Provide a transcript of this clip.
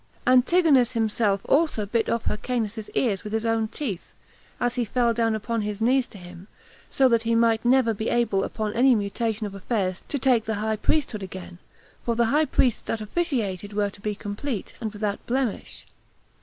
Antigonus himself also bit off Hyrcanus's ears with his own teeth, as he fell down upon his knees to him, that so he might never be able upon any mutation of affairs to take the high priesthood again, for the high priests that officiated were to be complete, and without blemish.